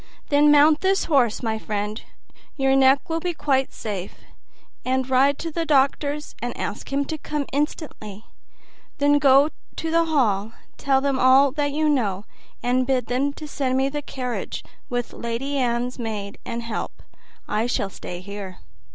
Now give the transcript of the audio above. "Then mount this horse, my friend your neck will be quite safe and ride to the doctor's and ask him to come instantly; then on to the hall; tell them all that you know, and bid them send me the carriage, with Lady Anne's maid and help. I shall stay here."